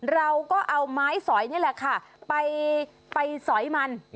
เราก็เอาไม้สอยนี่แหละค่ะไปสอยมัน